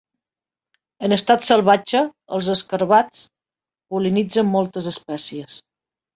En estat salvatge, els escarabats pol·linitzen moltes espècies.